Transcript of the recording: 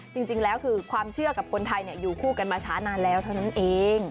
จริงแล้วคือความเชื่อกับคนไทยอยู่คู่กันมาช้านานแล้วเท่านั้นเอง